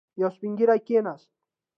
يو سپين ږيری کېناست.